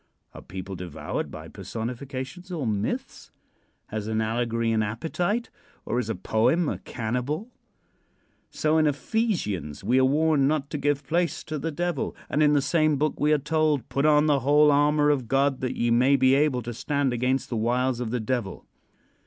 Are people devoured by personifications or myths? Has an allegory an appetite, or is a poem a cannibal? So in Ephesians we are warned not to give place to the Devil, and in the same book we are told: "Put on the whole armor of God, that ye may be able to stand against the wiles of the Devil."